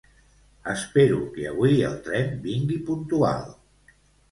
Espero que avui el tren vingui puntual